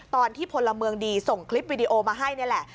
พลเมืองดีส่งคลิปวิดีโอมาให้นี่แหละ